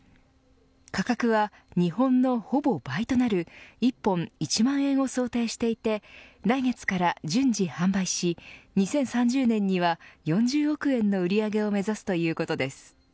価格は、日本のほぼ倍となる１本１万円を想定していて来月から順次販売し２０３０年には４０億円の売り上げを目指すということです。